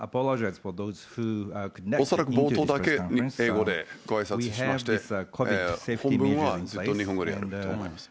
恐らく冒頭だけ英語でごあいさつしまして、本文はずっと日本語でやると思います。